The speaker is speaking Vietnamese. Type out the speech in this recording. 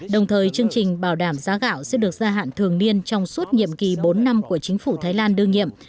đồng thời chương trình bảo đảm giá gạo sẽ được gia hạn thường niên trong suốt nhiệm kỳ bốn năm của chính phủ thái lan đương nhiệm